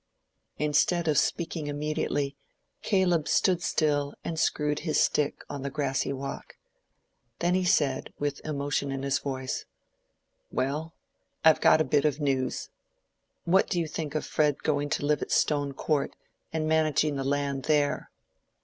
Instead of speaking immediately, Caleb stood still and screwed his stick on the grassy walk. Then he said, with emotion in his voice, "Well, I've got a bit of news. What do you think of Fred going to live at Stone Court, and managing the land there?"